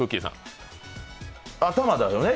頭だよね。